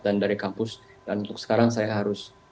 dan dari kampus dan untuk sekarang saya harus